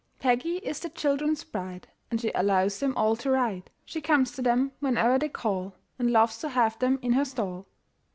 Peggy is the children's pride, And she allows them all to ride. She comes to them whene'er they call, And loves to have them in her stall.